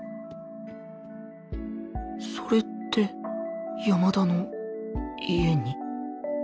それって山田の家に？